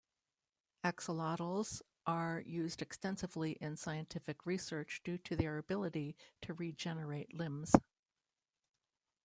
Axolotls are used extensively in scientific research due to their ability to regenerate limbs.